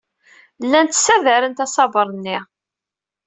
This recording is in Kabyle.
Llant ssadarent asaber-nni.